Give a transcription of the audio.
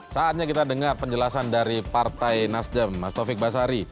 saatnya kita dengar penjelasan dari partai nasdem mas taufik basari